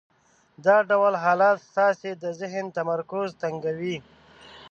دا ډول حالت ستاسې د ذهن تمرکز تنګوي.